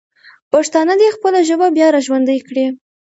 پښتانه دې خپله ژبه بیا راژوندی کړي.